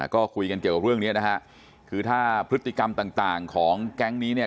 ก็คุยกันเกี่ยวกับเรื่องเนี้ยนะฮะคือถ้าพฤติกรรมต่างต่างของแก๊งนี้เนี่ย